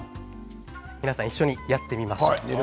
皆さん一緒にやってみましょう。